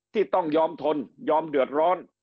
ที่ต้องยอมทนยอมเดือดร้อน